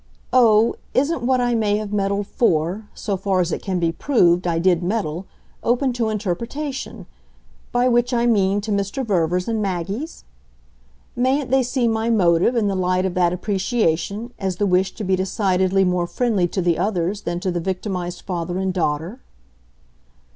"Oh, isn't what I may have meddled 'for' so far as it can be proved I did meddle open to interpretation; by which I mean to Mr. Verver's and Maggie's? Mayn't they see my motive, in the light of that appreciation, as the wish to be decidedly more friendly to the others than to the victimised father and daughter?"